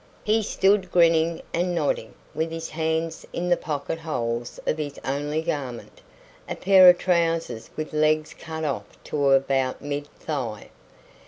He stood grinning and nodding, with his hands in the pocket holes of his only garment, a pair of trousers with legs cut off to about mid thigh.